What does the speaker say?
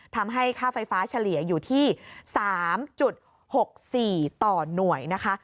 ทำให้ค่าไฟฟ้าเฉลี่ยอยู่ที่๓๖๔ต่อหน่วยนะคะ